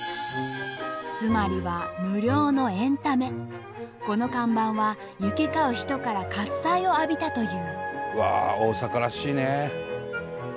つまりはこの看板は行き交う人から喝采を浴びたという。